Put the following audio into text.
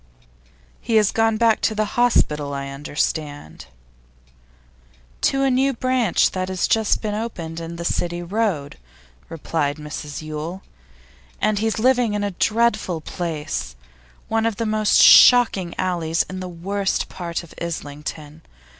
'He has gone back to the hospital, I understand ' 'To a new branch that has just been opened in the City Road,' replied Mrs Yule. 'And he's living in a dreadful place one of the most shocking alleys in the worst part of Islington.